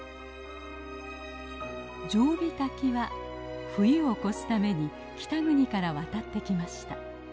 ジョウビタキは冬を越すために北国から渡ってきました。